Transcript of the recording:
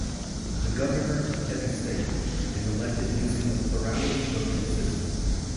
The Governor of Kebbi State is elected using the plurality voting system.